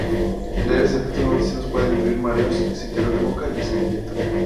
Leves efectos no deseados pueden incluir mareos, sequedad de boca y estreñimiento.